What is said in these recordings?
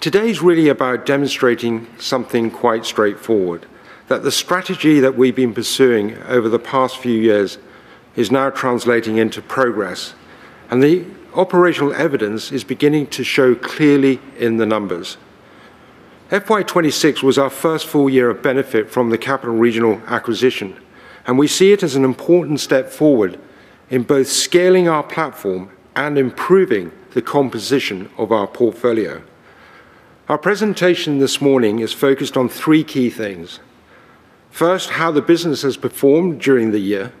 Today is really about demonstrating something quite straightforward, that the strategy that we've been pursuing over the past few years is now translating into progress, and the operational evidence is beginning to show clearly in the numbers. FY 2026 was our first full year of benefit from the Capital & Regional acquisition, and we see it as an important step forward in both scaling our platform and improving the composition of our portfolio. Our presentation this morning is focused on three key things. First, how the business has performed during the year.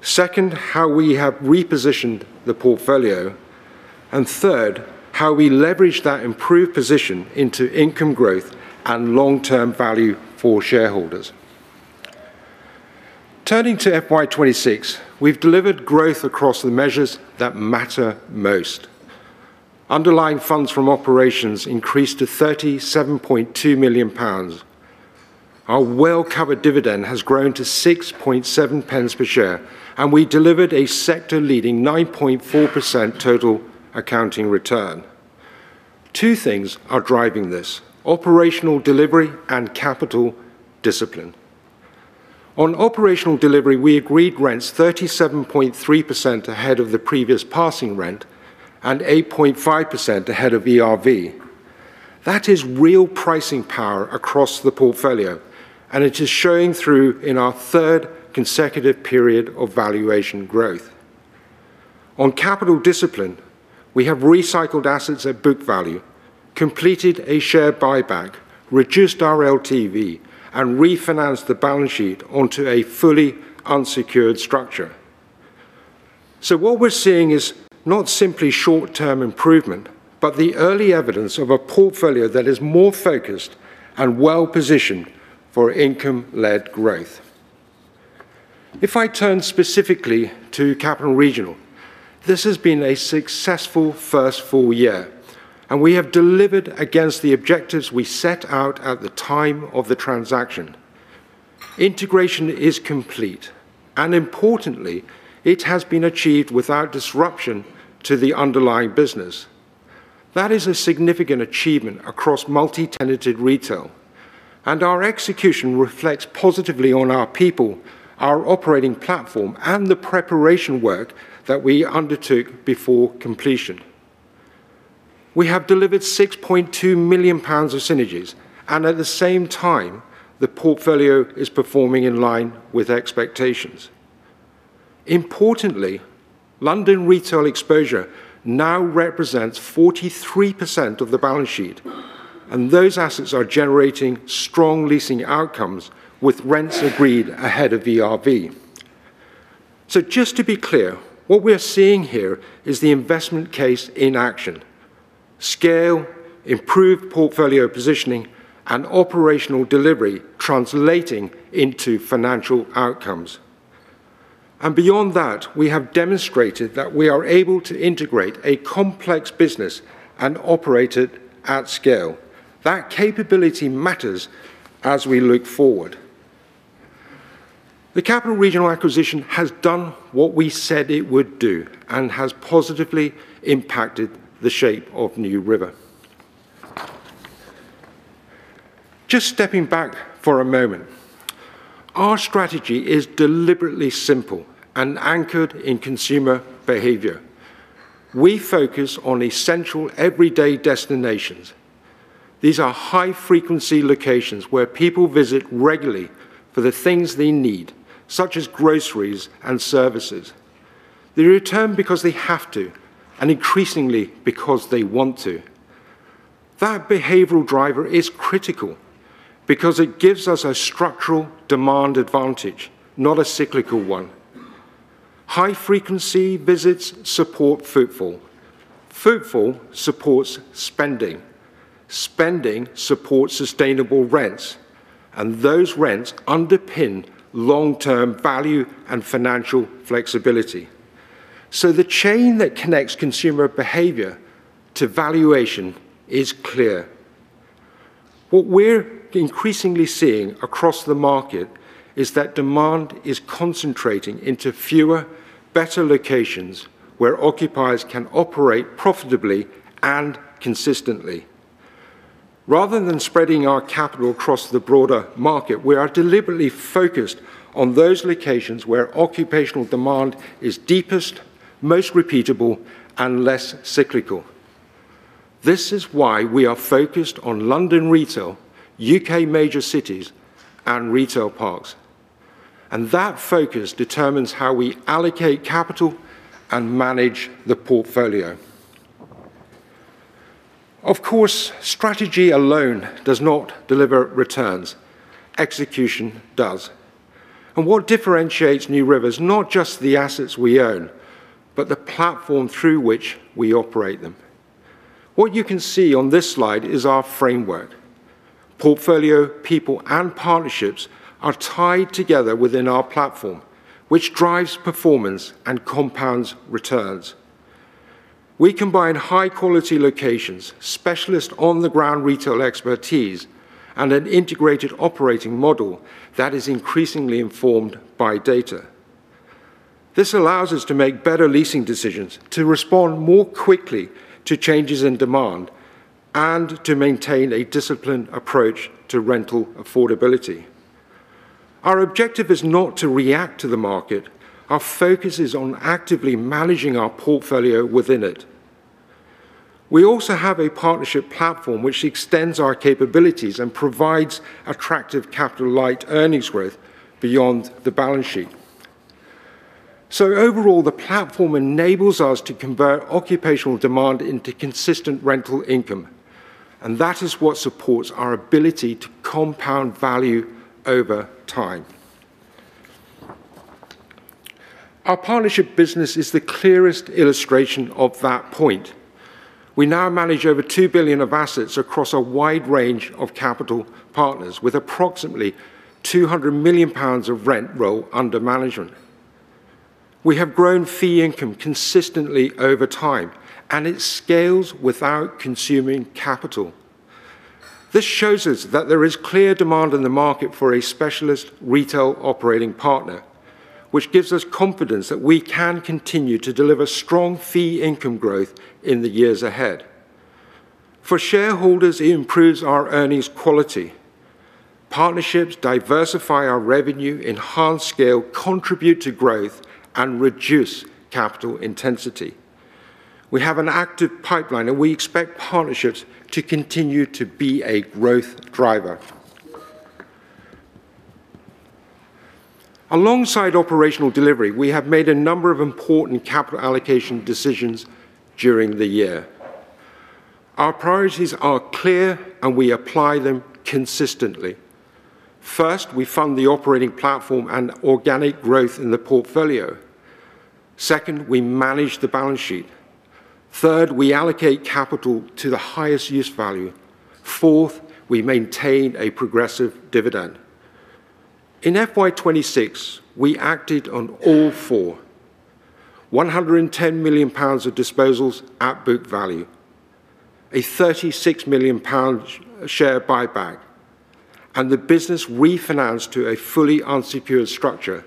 Second, how we have repositioned the portfolio. Third, how we leverage that improved position into income growth and long-term value for shareholders. Turning to FY 2026, we've delivered growth across the measures that matter most. Underlying funds from operations increased to 37.2 million pounds. Our well-covered dividend has grown to 0.067 per share, and we delivered a sector-leading 9.4% total accounting return. Two things are driving this, operational delivery and capital discipline. On operational delivery, we agreed rents 37.3% ahead of the previous passing rent and 8.5% ahead of ERV. That is real pricing power across the portfolio, and it is showing through in our third consecutive period of valuation growth. On capital discipline, we have recycled assets at book value, completed a share buyback, reduced our LTV, and refinanced the balance sheet onto a fully unsecured structure. What we're seeing is not simply short-term improvement, but the early evidence of a portfolio that is more focused and well-positioned for income-led growth. If I turn specifically to Capital & Regional, this has been a successful first full year, and we have delivered against the objectives we set out at the time of the transaction. Integration is complete, and importantly, it has been achieved without disruption to the underlying business. That is a significant achievement across multi-tenanted retail, and our execution reflects positively on our people, our operating platform, and the preparation work that we undertook before completion. We have delivered 6.2 million pounds of synergies, and at the same time, the portfolio is performing in line with expectations. Importantly, London retail exposure now represents 43% of the balance sheet, and those assets are generating strong leasing outcomes with rents agreed ahead of ERV. Just to be clear, what we're seeing here is the investment case in action. Scale, improved portfolio positioning, and operational delivery translating into financial outcomes. Beyond that, we have demonstrated that we are able to integrate a complex business and operate it at scale. That capability matters as we look forward. The Capital & Regional acquisition has done what we said it would do and has positively impacted the shape of NewRiver. Just stepping back for a moment, our strategy is deliberately simple and anchored in consumer behavior. We focus on essential, everyday destinations. These are high-frequency locations where people visit regularly for the things they need, such as groceries and services. They return because they have to, and increasingly, because they want to. That behavioral driver is critical because it gives us a structural demand advantage, not a cyclical one. High-frequency visits support footfall. Footfall supports spending. Spending supports sustainable rents. Those rents underpin long-term value and financial flexibility. The chain that connects consumer behavior to valuation is clear. What we're increasingly seeing across the market is that demand is concentrating into fewer, better locations where occupiers can operate profitably and consistently. Rather than spreading our capital across the broader market, we are deliberately focused on those locations where occupational demand is deepest, most repeatable, and less cyclical. This is why we are focused on London retail, U.K. major cities, and retail parks. That focus determines how we allocate capital and manage the portfolio. Of course, strategy alone does not deliver returns. Execution does. What differentiates NewRiver is not just the assets we own, but the platform through which we operate them. What you can see on this slide is our framework. Portfolio, people, and partnerships are tied together within our platform, which drives performance and compounds returns. We combine high-quality locations, specialist on-the-ground retail expertise, and an integrated operating model that is increasingly informed by data. This allows us to make better leasing decisions, to respond more quickly to changes in demand, and to maintain a disciplined approach to rental affordability. Our objective is not to react to the market. Our focus is on actively managing our portfolio within it. We also have a partnership platform which extends our capabilities and provides attractive capital-light earnings growth beyond the balance sheet. Overall, the platform enables us to convert occupational demand into consistent rental income, and that is what supports our ability to compound value over time. Our partnership business is the clearest illustration of that point. We now manage over 2 billion of assets across a wide range of capital partners, with approximately 200 million pounds of rent roll under management. We have grown fee income consistently over time, and it scales without consuming capital. This shows us that there is clear demand in the market for a specialist retail operating partner, which gives us confidence that we can continue to deliver strong fee income growth in the years ahead. For shareholders, it improves our earnings quality. Partnerships diversify our revenue, enhance scale, contribute to growth, and reduce capital intensity. We have an active pipeline, and we expect partnerships to continue to be a growth driver. Alongside operational delivery, we have made a number of important capital allocation decisions during the year. Our priorities are clear, and we apply them consistently. First, we fund the operating platform and organic growth in the portfolio. Second, we manage the balance sheet. Third, we allocate capital to the highest use value. Fourth, we maintain a progressive dividend. In FY 2026, we acted on all four. 110 million pounds of disposals at book value, a 36 million pound share buyback, and the business refinanced to a fully unsecured structure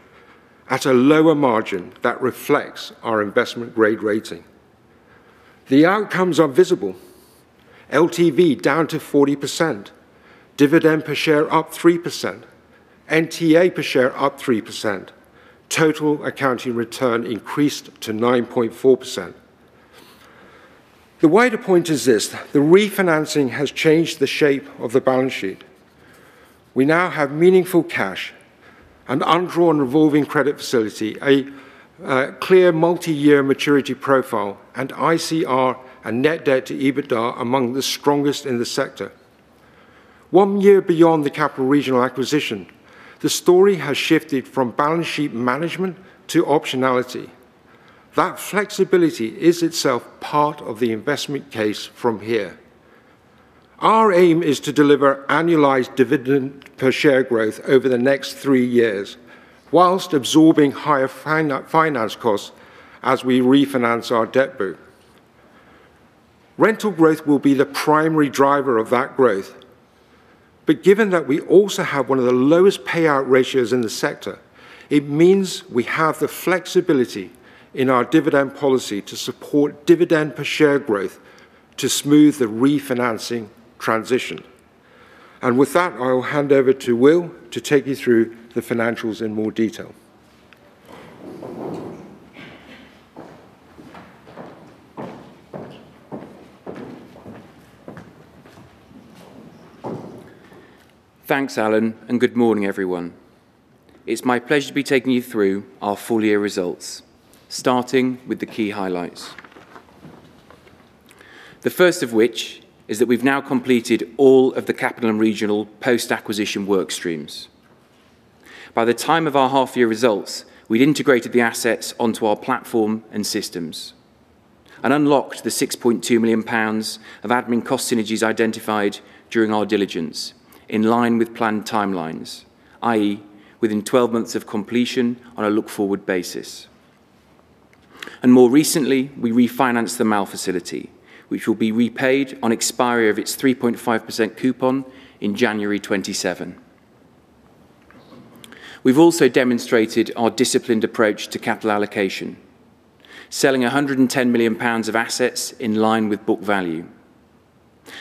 at a lower margin that reflects our investment-grade rating. The outcomes are visible. LTV down to 40%, dividend per share up 3%, NTA per share up 3%, total accounting return increased to 9.4%. The wider point is this: the refinancing has changed the shape of the balance sheet. We now have meaningful cash, an undrawn revolving credit facility, a clear multi-year maturity profile, and ICR and net debt to EBITDA are among the strongest in the sector. One year beyond the Capital & Regional acquisition, the story has shifted from balance sheet management to optionality. That flexibility is itself part of the investment case from here. Our aim is to deliver annualized dividend per share growth over the next three years while absorbing higher finance costs as we refinance our debt pool. Rental growth will be the primary driver of that growth. Given that we also have one of the lowest payout ratios in the sector, it means we have the flexibility in our dividend policy to support dividend per share growth to smooth the refinancing transition. With that, I will hand over to Will to take you through the financials in more detail. Thanks, Allan, good morning, everyone. It's my pleasure to be taking you through our full-year results, starting with the key highlights. The first of which is that we've now completed all of the Capital & Regional post-acquisition work streams. By the time of our half-year results, we'd integrated the assets onto our platform and systems and unlocked the 6.2 million pounds of admin cost synergies identified during our diligence, in line with planned timelines, i.e., within 12 months of completion on a look-forward basis. More recently, we refinanced the Mall facility, which will be repaid on expiry of its 3.5% coupon in January 2027. We've also demonstrated our disciplined approach to capital allocation, selling 110 million pounds of assets in line with book value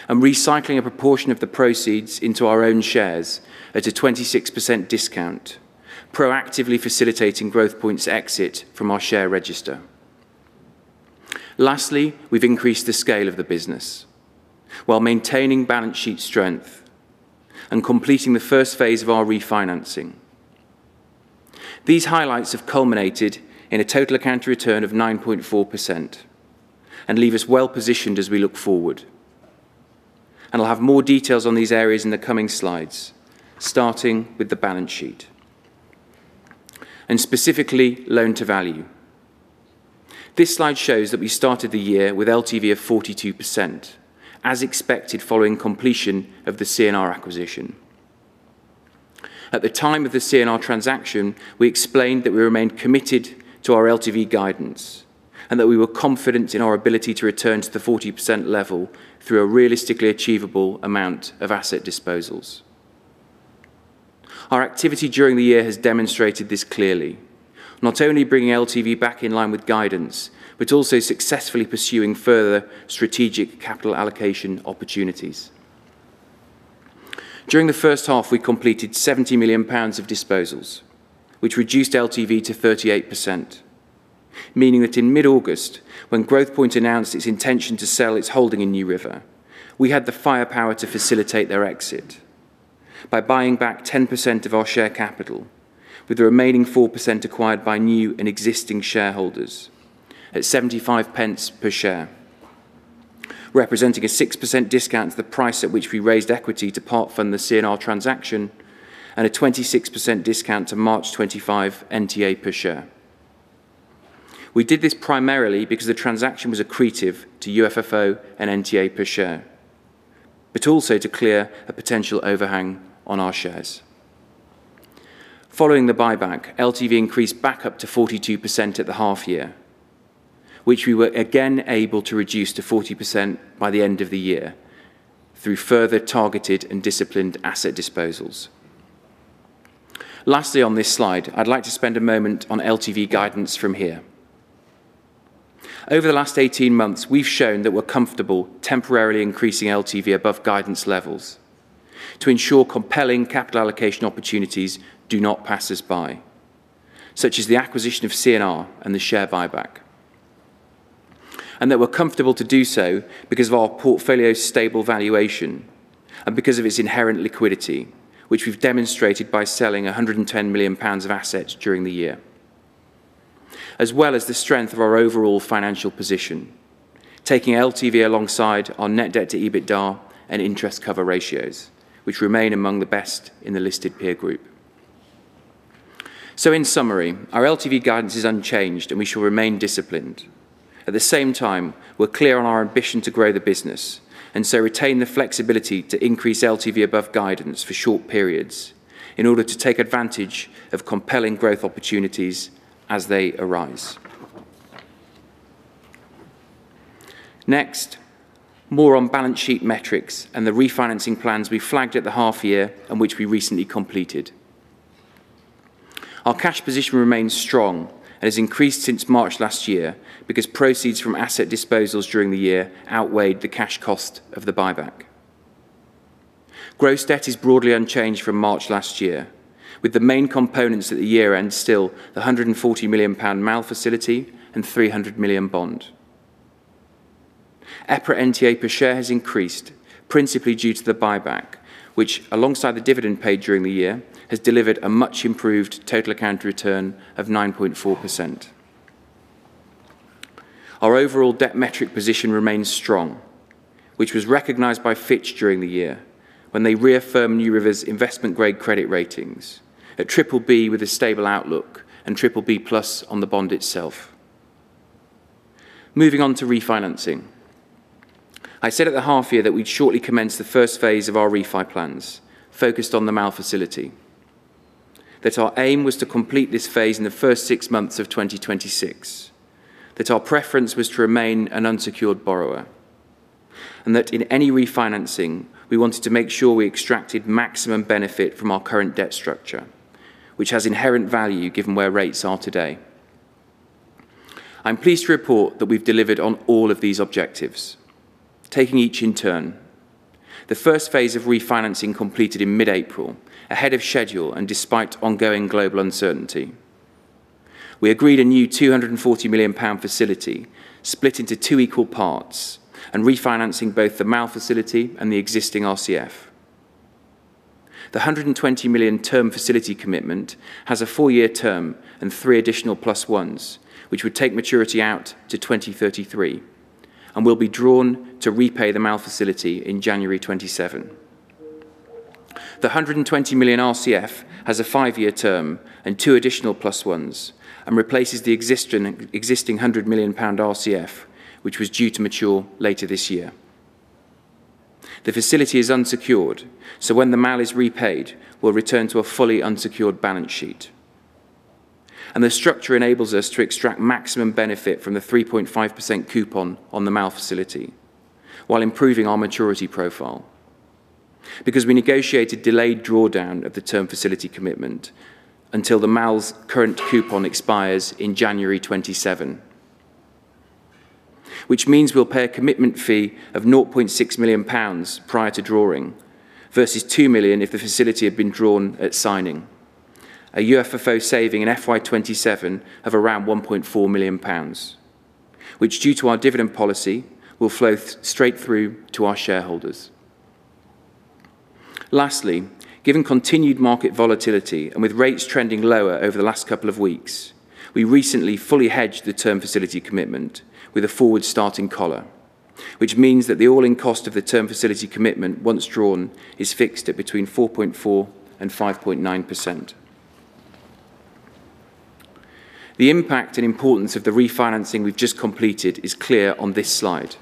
and recycling a portion of the proceeds into our own shares at a 26% discount, proactively facilitating Growthpoint's exit from our share register. Lastly, we've increased the scale of the business while maintaining balance sheet strength and completing the first phase of our refinancing. These highlights have culminated in a total accounting return of 9.4% and leave us well-positioned as we look forward. I'll have more details on these areas in the coming slides, starting with the balance sheet and specifically loan to value. This slide shows that we started the year with LTV of 42%, as expected following completion of the C&R acquisition. At the time of the C&R transaction, we explained that we remained committed to our LTV guidance and that we were confident in our ability to return to the 40% level through a realistically achievable amount of asset disposals. Our activity during the year has demonstrated this clearly, not only bringing LTV back in line with guidance, but also successfully pursuing further strategic capital allocation opportunities. During the first half, we completed 70 million pounds of disposals, which reduced LTV to 38%, meaning that in mid-August, when Growthpoint announced its intention to sell its holding in NewRiver, we had the firepower to facilitate their exit by buying back 10% of our share capital, with the remaining 4% acquired by new and existing shareholders at 0.75 per share, representing a 6% discount to the price at which we raised equity to part fund the C&R transaction and a 26% discount to March 2025 NTA per share. We did this primarily because the transaction was accretive to UFFO and NTA per share, but also to clear a potential overhang on our shares. Following the buyback, LTV increased back up to 42% at the half year, which we were again able to reduce to 40% by the end of the year through further targeted and disciplined asset disposals. Lastly on this slide, I'd like to spend a moment on LTV guidance from here. Over the last 18 months, we've shown that we're comfortable temporarily increasing LTV above guidance levels to ensure compelling capital allocation opportunities do not pass us by, such as the acquisition of C&R and the share buyback. That we're comfortable to do so because of our portfolio's stable valuation and because of its inherent liquidity, which we've demonstrated by selling 110 million pounds of assets during the year, as well as the strength of our overall financial position, taking LTV alongside our net debt to EBITDA and interest cover ratios, which remain among the best in the listed peer group. In summary, our LTV guidance is unchanged, and we shall remain disciplined. At the same time, we're clear on our ambition to grow the business retain the flexibility to increase LTV above guidance for short periods in order to take advantage of compelling growth opportunities as they arise. Next, more on balance sheet metrics and the refinancing plans we flagged at the half year and which we recently completed. Our cash position remains strong and has increased since March last year because proceeds from asset disposals during the year outweighed the cash cost of the buyback. Gross debt is broadly unchanged from March last year, with the main components at the year-end still the GBP 140 million Mall facility and 300 million bond. EPRA NTA per share has increased principally due to the buyback, which alongside the dividend paid during the year, has delivered a much improved total account return of 9.4%. Our overall debt metric position remains strong, which was recognized by Fitch during the year when they reaffirmed NewRiver's investment-grade credit ratings at BBB with a stable outlook and BBB+ on the bond itself. Moving on to refinancing. I said at the half year that we'd shortly commence the first phase of our refi plans focused on the Mall facility, that our aim was to complete this phase in the first six months of 2026, that our preference was to remain an unsecured borrower, and that in any refinancing, we wanted to make sure we extracted maximum benefit from our current debt structure, which has inherent value given where rates are today. I'm pleased to report that we've delivered on all of these objectives. Taking each in turn. The first phase of refinancing completed in mid-April, ahead of schedule and despite ongoing global uncertainty. We agreed a new 240 million pound facility split into two equal parts and refinancing both the Mall facility and the existing RCF. The 120 million term facility commitment has a four-year term and three additional plus ones, which would take maturity out to 2033 and will be drawn to repay the Mall facility in January 2027. The 120 million RCF has a five-year term and two additional plus ones and replaces the existing 100 million pound RCF, which was due to mature later this year. The facility is unsecured, when the Mall is repaid, we'll return to a fully unsecured balance sheet. The structure enables us to extract maximum benefit from the 3.5% coupon on the Mall facility while improving our maturity profile because we negotiated delayed drawdown of the term facility commitment until the Mall's current coupon expires in January 2027. Which means we'll pay a commitment fee of 0.6 million pounds prior to drawing versus 2 million if the facility had been drawn at signing, a UFFO saving in FY 2027 of around 1.4 million pounds, which due to our dividend policy, will flow straight through to our shareholders. Lastly, given continued market volatility and with rates trending lower over the last couple of weeks, we recently fully hedged the term facility commitment with a forward-starting collar, which means that the all-in cost of the term facility commitment once drawn is fixed at between 4.4% and 5.9%. The impact and importance of the refinancing we've just completed is clear on this slide.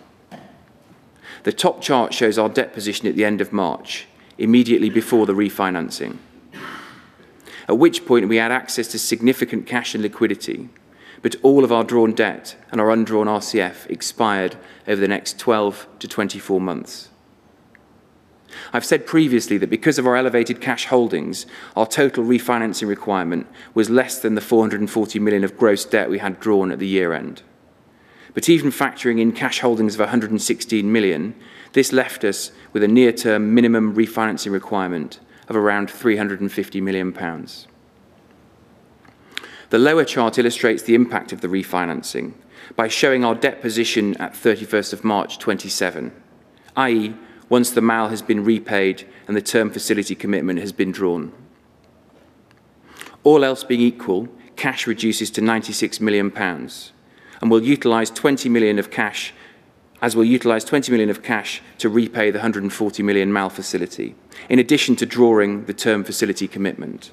The top chart shows our debt position at the end of March, immediately before the refinancing. At which point we had access to significant cash and liquidity, but all of our drawn debt and our undrawn RCF expired over the next 12-24 months. I've said previously that because of our elevated cash holdings, our total refinancing requirement was less than the 440 million of gross debt we had drawn at the year-end. Even factoring in cash holdings of 116 million, this left us with a near-term minimum refinancing requirement of around 350 million pounds. The lower chart illustrates the impact of the refinancing by showing our debt position at 31st of March 2027, i.e., once the Mall has been repaid and the term facility commitment has been drawn. All else being equal, cash reduces to 96 million pounds, as we'll utilize 20 million of cash to repay the 140 million Mall facility, in addition to drawing the term facility commitment.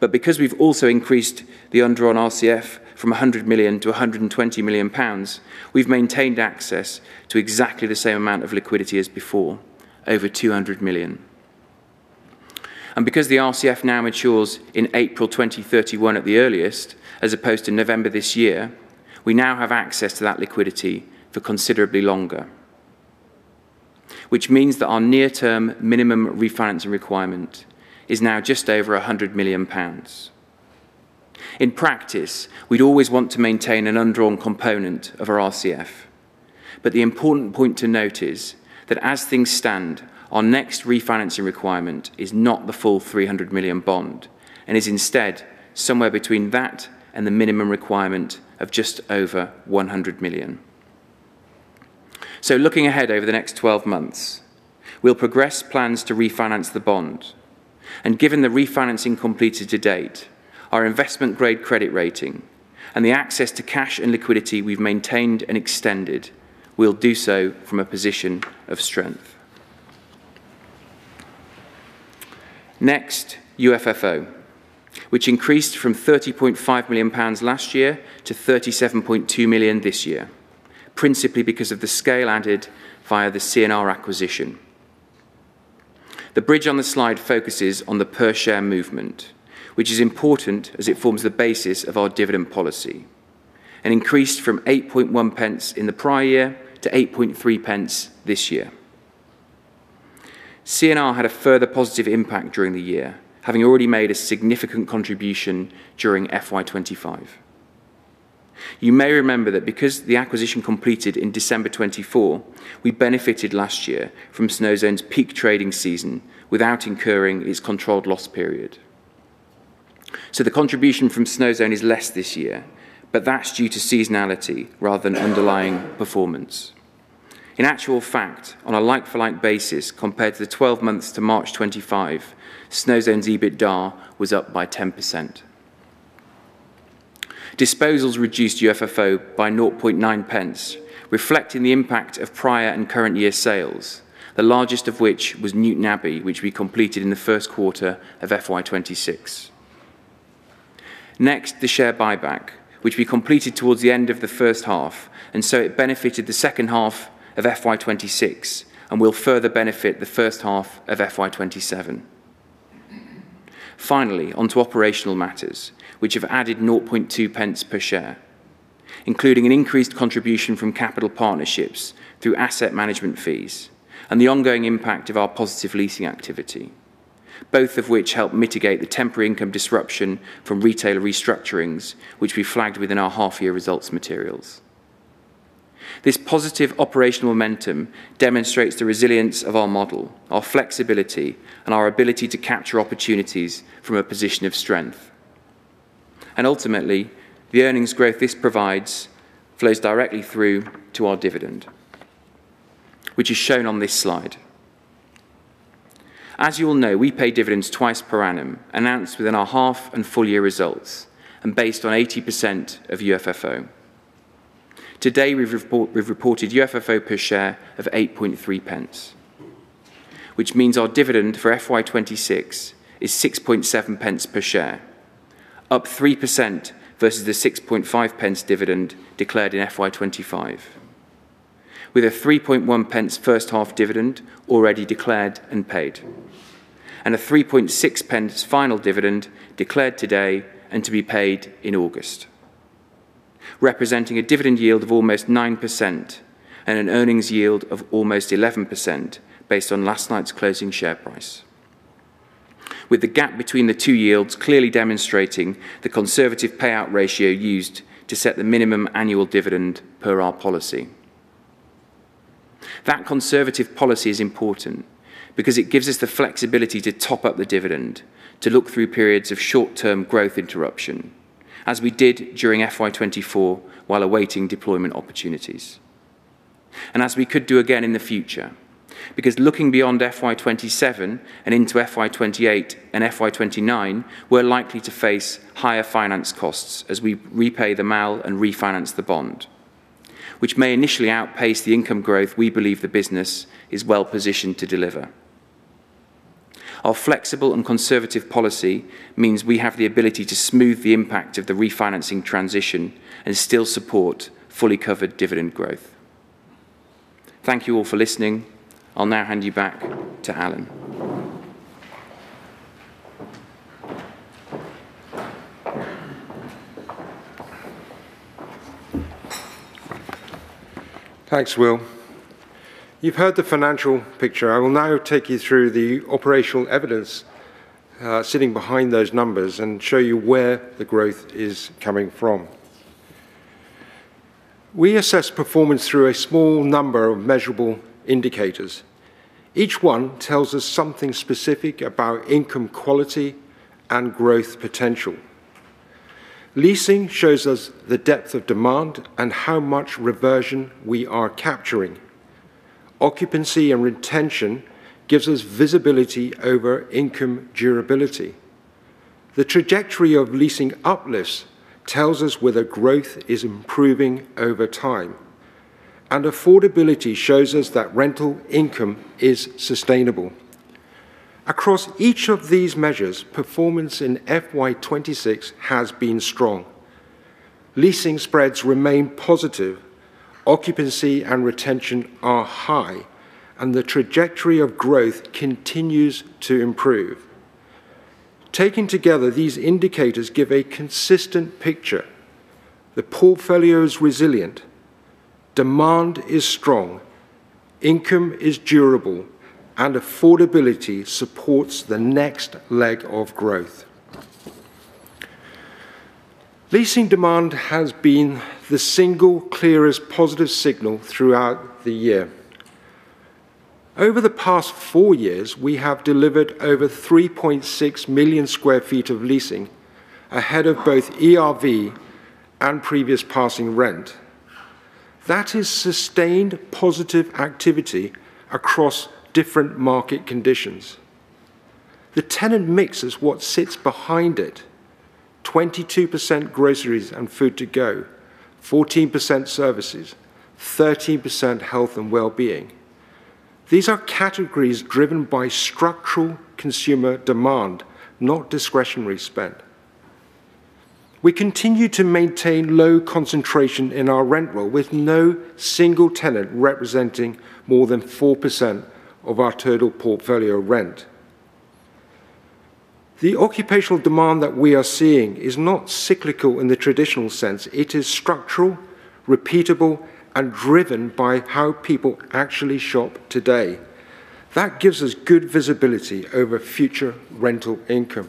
Because we've also increased the undrawn RCF from 100 million to 120 million pounds, we've maintained access to exactly the same amount of liquidity as before, over 200 million. Because the RCF now matures in April 2031 at the earliest, as opposed to November this year, we now have access to that liquidity for considerably longer, which means that our near-term minimum refinancing requirement is now just over 100 million pounds. In practice, we'd always want to maintain an undrawn component of our RCF. The important point to note is that as things stand, our next refinancing requirement is not the full 300 million bond and is instead somewhere between that and the minimum requirement of just over 100 million. Looking ahead over the next 12 months, we'll progress plans to refinance the bond, and given the refinancing completed to date, our investment-grade credit rating, and the access to cash and liquidity we've maintained and extended will do so from a position of strength. Next, UFFO, which increased from 30.5 million pounds last year to 37.2 million this year, principally because of the scale added via the C&R acquisition. The bridge on the slide focuses on the per share movement, which is important as it forms the basis of our dividend policy, and increased from 0.081 in the prior year to 0.083 this year. C&R had a further positive impact during the year, having already made a significant contribution during FY 2025. You may remember that because the acquisition completed in December 2024, we benefited last year from Snozone's peak trading season without incurring its controlled loss period. The contribution from Snozone is less this year, but that's due to seasonality rather than underlying performance. In actual fact, on a like-for-like basis, compared to the 12 months to March 2025, Snozone's EBITDA was up by 10%. Disposals reduced UFFO by 0.009, reflecting the impact of prior and current year sales, the largest of which was Newtownabbey, which we completed in the first quarter of FY 2026. Next, the share buyback, which we completed towards the end of the first half, and so it benefited the second half of FY 2026 and will further benefit the first half of FY 2027. Finally, onto operational matters, which have added 0.002 per share, including an increased contribution from capital partnerships through asset management fees and the ongoing impact of our positive leasing activity, both of which help mitigate the temporary income disruption from retail restructurings, which we flagged within our half-year results materials. This positive operational momentum demonstrates the resilience of our model, our flexibility, and our ability to capture opportunities from a position of strength. Ultimately, the earnings growth this provides flows directly through to our dividend, which is shown on this slide. As you all know, we pay dividends twice per annum, announced within our half and full-year results and based on 80% of UFFO. Today, we've reported UFFO per share of 0.083, which means our dividend for FY 2026 is 0.067 per share, up 3% versus the 0.065 dividend declared in FY 2025, with a 0.031 first-half dividend already declared and paid, and a 0.036 final dividend declared today and to be paid in August, representing a dividend yield of almost 9% and an earnings yield of almost 11% based on last night's closing share price. With the gap between the two yields clearly demonstrating the conservative payout ratio used to set the minimum annual dividend per our policy. That conservative policy is important because it gives us the flexibility to top up the dividend to look through periods of short-term growth interruption, as we did during FY 2024 while awaiting deployment opportunities. As we could do again in the future, because looking beyond FY 2027 and into FY 2028 and FY 2029, we're likely to face higher finance costs as we repay the Mall and refinance the bond, which may initially outpace the income growth we believe the business is well-positioned to deliver. Our flexible and conservative policy means we have the ability to smooth the impact of the refinancing transition and still support fully covered dividend growth. Thank you all for listening. I'll now hand you back to Allan. Thanks, Will. You've heard the financial picture. I will now take you through the operational evidence sitting behind those numbers and show you where the growth is coming from. We assess performance through a small number of measurable indicators. Each one tells us something specific about income quality and growth potential. Leasing shows us the depth of demand and how much reversion we are capturing. Occupancy and retention gives us visibility over income durability. The trajectory of leasing uplifts tells us whether growth is improving over time, and affordability shows us that rental income is sustainable. Across each of these measures, performance in FY 2026 has been strong. Leasing spreads remain positive, occupancy and retention are high, and the trajectory of growth continues to improve. Taken together, these indicators give a consistent picture. The portfolio is resilient, demand is strong, income is durable, and affordability supports the next leg of growth. Leasing demand has been the single clearest positive signal throughout the year. Over the past four years, we have delivered over 3.6 million sq ft of leasing ahead of both ERV and previous passing rent. That is sustained positive activity across different market conditions. The tenant mix is what sits behind it, 22% groceries and food to go, 14% services, 13% health and wellbeing. These are categories driven by structural consumer demand, not discretionary spend. We continue to maintain low concentration in our rent roll, with no single tenant representing more than 4% of our total portfolio rent. The occupational demand that we are seeing is not cyclical in the traditional sense. It is structural, repeatable, and driven by how people actually shop today. That gives us good visibility over future rental income.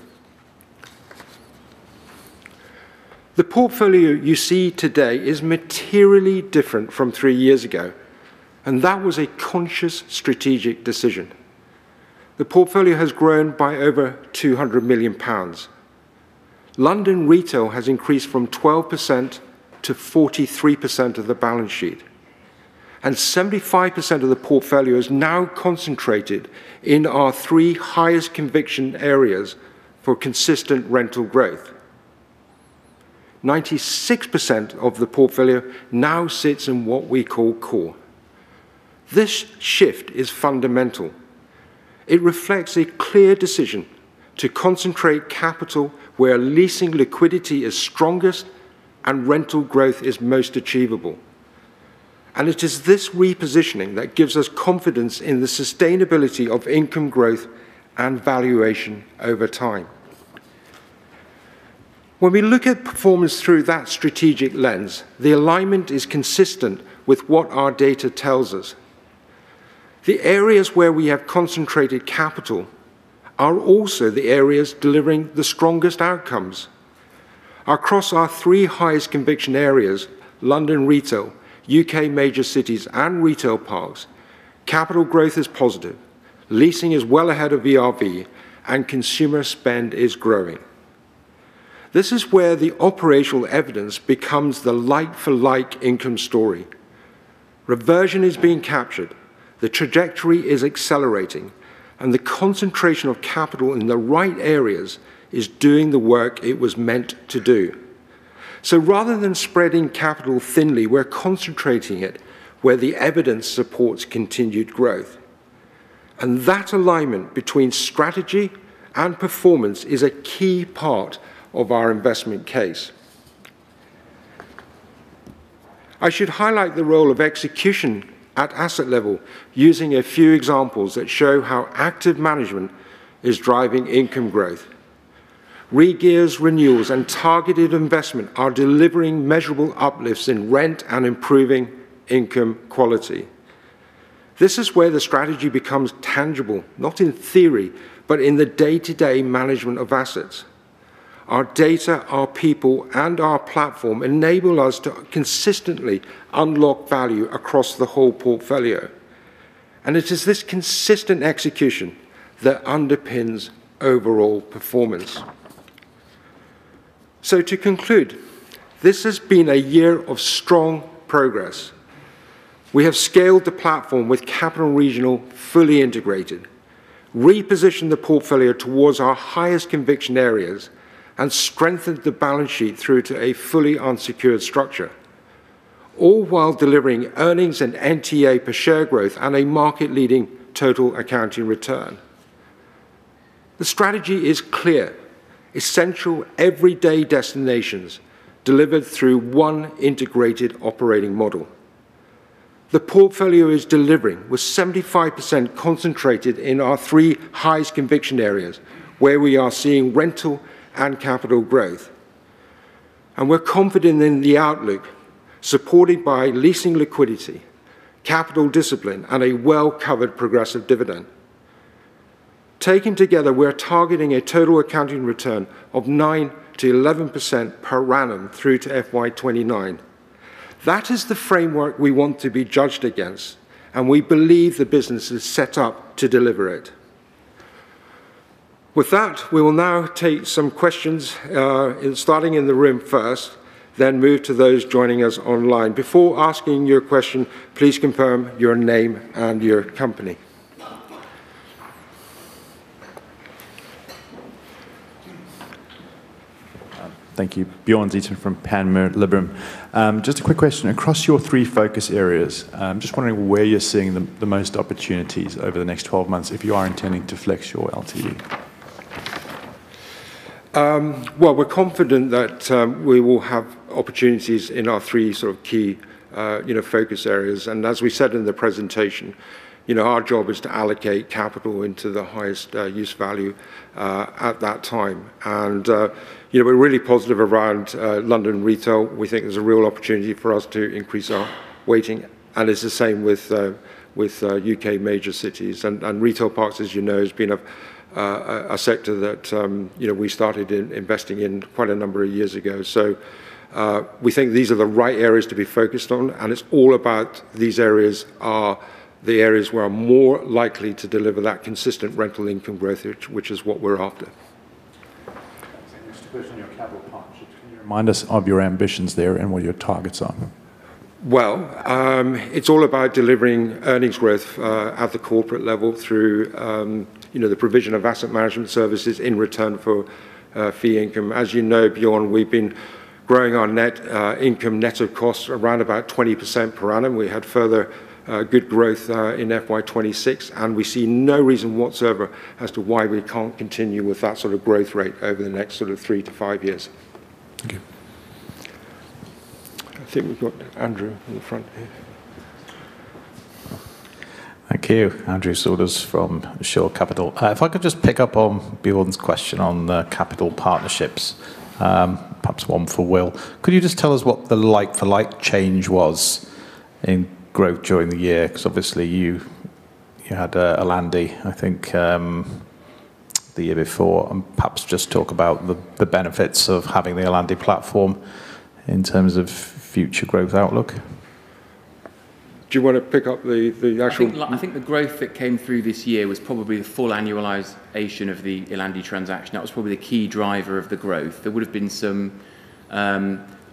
The portfolio you see today is materially different from three years ago. That was a conscious strategic decision. The portfolio has grown by over 200 million pounds. London retail has increased from 12% to 43% of the balance sheet. 75% of the portfolio is now concentrated in our three highest conviction areas for consistent rental growth. 96% of the portfolio now sits in what we call core. This shift is fundamental. It reflects a clear decision to concentrate capital where leasing liquidity is strongest and rental growth is most achievable. It is this repositioning that gives us confidence in the sustainability of income growth and valuation over time. When we look at performance through that strategic lens, the alignment is consistent with what our data tells us. The areas where we have concentrated capital are also the areas delivering the strongest outcomes. Across our three highest conviction areas, London retail, U.K. major cities, and retail parks, capital growth is positive. Leasing is well ahead of ERV, and consumer spend is growing. This is where the operational evidence becomes the like-for-like income story. Reversion is being captured, the trajectory is accelerating, and the concentration of capital in the right areas is doing the work it was meant to do. Rather than spreading capital thinly, we're concentrating it where the evidence supports continued growth. That alignment between strategy and performance is a key part of our investment case. I should highlight the role of execution at asset level using a few examples that show how active management is driving income growth. Re-gears, renewals, and targeted investment are delivering measurable uplifts in rent and improving income quality. This is where the strategy becomes tangible, not in theory, but in the day-to-day management of assets. Our data, our people, and our platform enable us to consistently unlock value across the whole portfolio, and it is this consistent execution that underpins overall performance. To conclude, this has been a year of strong progress. We have scaled the platform with Capital & Regional fully integrated, repositioned the portfolio towards our highest conviction areas, and strengthened the balance sheet through to a fully unsecured structure, all while delivering earnings and NTA per share growth and a market leading total accounting return. The strategy is clear, essential everyday destinations delivered through one integrated operating model. The portfolio is delivering with 75% concentrated in our three highest conviction areas, where we are seeing rental and capital growth. We're confident in the outlook supported by leasing liquidity, capital discipline, and a well-covered progressive dividend. Taken together, we are targeting a total accounting return of 9%-11% per annum through to FY 2029. That is the framework we want to be judged against, and we believe the business is set up to deliver it. We will now take some questions, starting in the room first, then move to those joining us online. Before asking your question, please confirm your name and your company. Thank you. Bjorn Zietsman from Panmure Gordon. Just a quick question. Across your three focus areas, I am just wondering where you are seeing the most opportunities over the next 12 months if you are intending to flex your LTV. We're confident that we will have opportunities in our three key focus areas. As we said in the presentation, our job is to allocate capital into the highest use value at that time. We're really positive around London retail. We think there's a real opportunity for us to increase our weighting, and it's the same with U.K. major cities. Retail parks, as you know, has been a sector that we started investing in quite a number of years ago. We think these are the right areas to be focused on, and it's all about these areas are the areas where are more likely to deliver that consistent rental income growth, which is what we're after. Next question on your capital partnerships. Can you remind us of your ambitions there and what your targets are? Well, it's all about delivering earnings growth at the corporate level through the provision of asset management services in return for fee income. As you know, Bjorn, we've been growing our net income net of costs around about 20% per annum. We had further good growth in FY 2026, and we see no reason whatsoever as to why we can't continue with that sort of growth rate over the next three-five years. Thank you. I think we've got Andrew in the front here. Thank you. Andrew Saunders from Shore Capital. If I could just pick up on Bjorn's question on capital partnerships, perhaps one for Will. Could you just tell us what the like-for-like change was in growth during the year? Because obviously you had Ellandi, I think, the year before, and perhaps just talk about the benefits of having the Ellandi platform in terms of future growth outlook. Do you want to pick up? I think the growth that came through this year was probably the full annualization of the Ellandi transaction. That was probably the key driver of the growth. There would have been some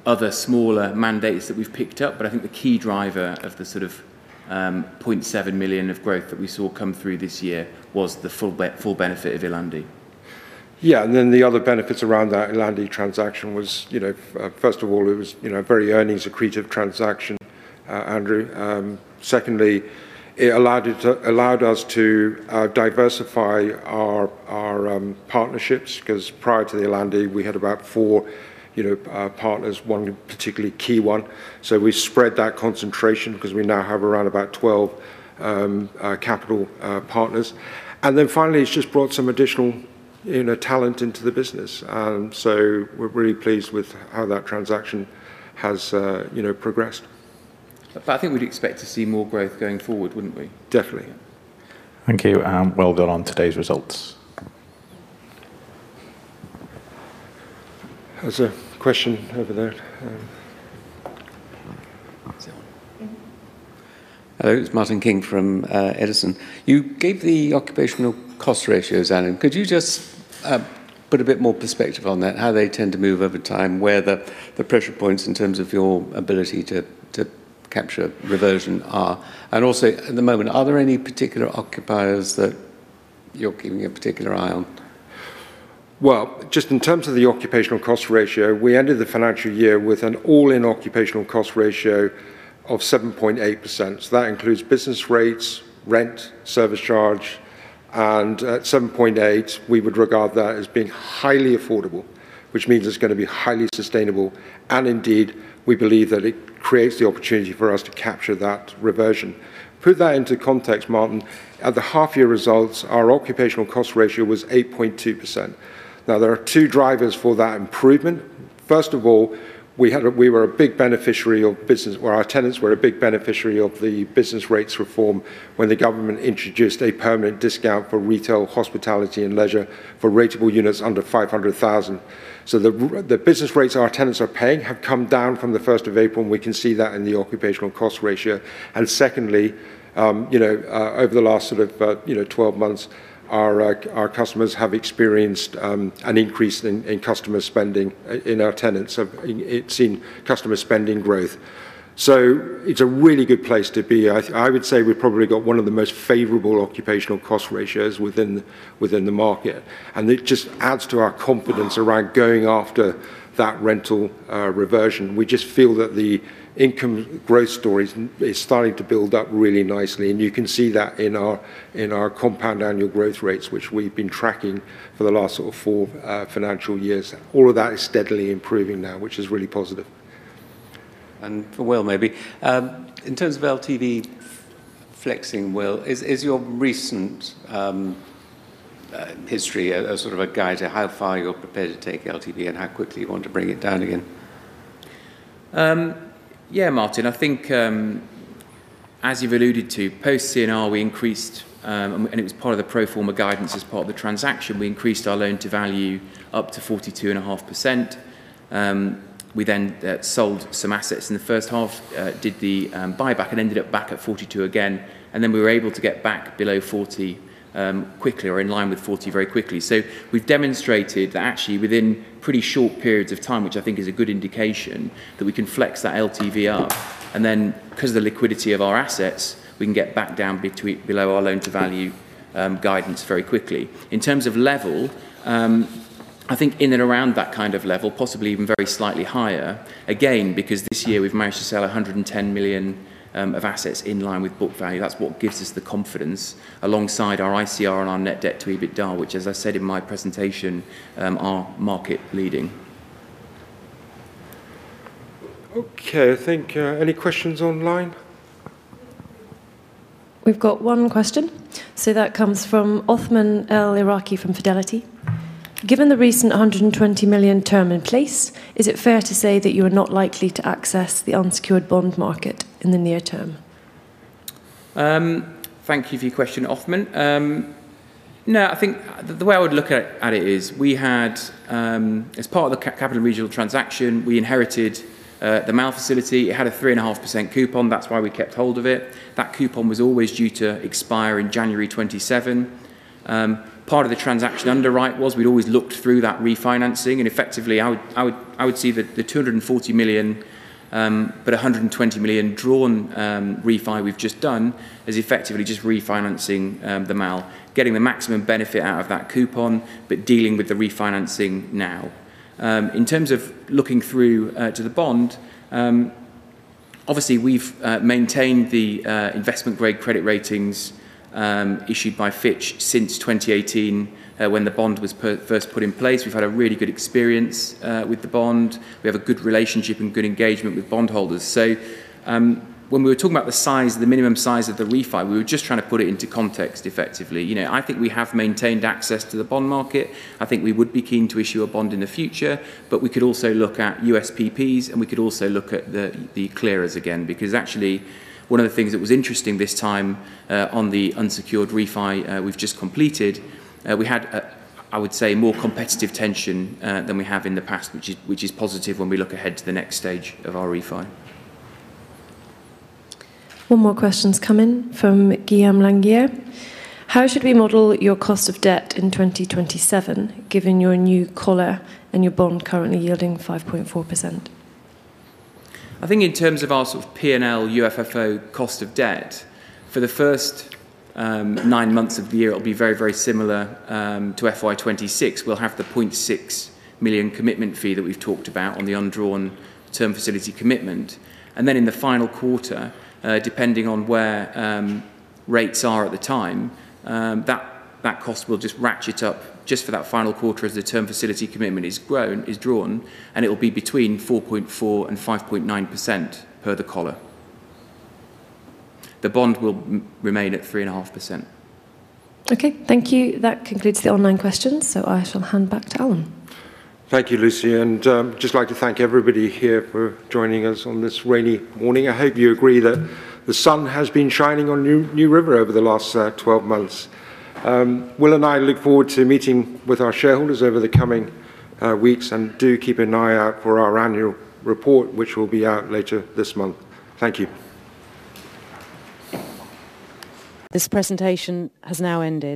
other smaller mandates that we've picked up. I think the key driver of the 0.7 million of growth that we saw come through this year was the full benefit of Ellandi. Yeah, the other benefits around that Ellandi transaction was, first of all, it was very earnings accretive transaction, Andrew. Secondly, it allowed us to diversify our partnerships because prior to the Ellandi, we had about four partners, one particularly key one. We spread that concentration because we now have around about 12 capital partners. Finally, it's just brought some additional talent into the business. We're really pleased with how that transaction has progressed. I think we'd expect to see more growth going forward, wouldn't we? Definitely. Thank you, and well done on today's results. There's a question over there. Hello, it's Martyn King from Edison. You gave the occupational cost ratios, Allan. Could you just put a bit more perspective on that, how they tend to move over time, where the pressure points in terms of your ability to capture reversion are? Also at the moment, are there any particular occupiers that you're keeping a particular eye on? Just in terms of the occupational cost ratio, we ended the financial year with an all-in occupational cost ratio of 7.8%. That includes business rates, rent, service charge, and at 7.8%, we would regard that as being highly affordable, which means it's going to be highly sustainable, and indeed, we believe that it creates the opportunity for us to capture that reversion. Put that into context, Martyn, at the half-year results, our occupational cost ratio was 8.2%. There are two drivers for that improvement. First of all, our tenants were a big beneficiary of the business rates reform when the government introduced a permanent discount for retail, hospitality, and leisure for rateable units under 500,000. The business rates our tenants are paying have come down from the 1st of April, and we can see that in the occupational cost ratio. Secondly, over the last 12 months, our customers have experienced an increase in customer spending in our tenants. It's seen customer spending growth. It's a really good place to be. I would say we've probably got one of the most favorable occupational cost ratios within the market, and it just adds to our confidence around going after that rental reversion. We just feel that the income growth story is starting to build up really nicely, and you can see that in our compound annual growth rates, which we've been tracking for the last sort of four financial years. All of that is steadily improving now, which is really positive. For Will maybe. In terms of LTV flexing, Will, is your recent history a sort of a guide to how far you're prepared to take LTV and how quickly you want to bring it down again? Martyn, I think, as you've alluded to, post C&R, we increased, and it was part of the pro forma guidance as part of the transaction, we increased our loan to value up to 42.5%. We sold some assets in the first half, did the buyback, and ended up back at 42% again. We were able to get back below 40% quickly or in line with 40% very quickly. We've demonstrated that actually within pretty short periods of time, which I think is a good indication, that we can flex that LTV up, and then because of the liquidity of our assets, we can get back down below our loan to value guidance very quickly. In terms of level, I think in and around that kind of level, possibly even very slightly higher, again, because this year we've managed to sell 110 million of assets in line with book value. That is what gives us the confidence alongside our ICR and our net debt to EBITDA, which as I said in my presentation, are market leading. Okay, I think any questions online? We've got one question. That comes from Othman El Iraki from Fidelity. Given the recent 120 million term in place, is it fair to say that you are not likely to access the unsecured bond market in the near term? Thank you for your question, Othman. No, I think the way I would look at it is we had, as part of the Capital & Regional transaction, we inherited the Mall facility. It had a 3.5% coupon, that is why we kept hold of it. That coupon was always due to expire in January 2027. Part of the transaction underwrite was we had always looked through that refinancing and effectively I would see that the 240 million, but 120 million drawn refi we have just done, is effectively just refinancing the Mall, getting the maximum benefit out of that coupon, but dealing with the refinancing now. In terms of looking through to the bond, obviously we have maintained the investment grade credit ratings issued by Fitch since 2018, when the bond was first put in place. We have had a really good experience with the bond. We have a good relationship and good engagement with bond holders. When we were talking about the size, the minimum size of the refi, we were just trying to put it into context effectively. I think we have maintained access to the bond market. I think we would be keen to issue a bond in the future, but we could also look at USPPs and we could also look at the clearers again, because actually one of the things that was interesting this time, on the unsecured refi we've just completed, we had, I would say, more competitive tension than we have in the past, which is positive when we look ahead to the next stage of our refi. One more question's come in from Guillaume Langille. How should we model your cost of debt in 2027, given your new collar and your bond currently yielding 5.4%? I think in terms of our sort of P&L UFFO cost of debt, for the first nine months of the year, it'll be very, very similar to FY 2026. Then we'll have the 0.6 million commitment fee that we've talked about on the undrawn term facility commitment. Then in the final quarter, depending on where rates are at the time, that cost will just ratchet up just for that final quarter as the term facility commitment is drawn, and it will be between 4.4% and 5.9% per the collar. The bond will remain at 3.5%. Okay, thank you. That concludes the online questions. I shall hand back to Allan. Thank you, Lucy. Just like to thank everybody here for joining us on this rainy morning. I hope you agree that the sun has been shining on NewRiver over the last 12 months. Will and I look forward to meeting with our shareholders over the coming weeks, and do keep an eye out for our annual report, which will be out later this month. Thank you. This presentation has now ended.